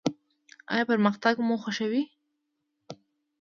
ایا پرمختګ مو خوښیږي؟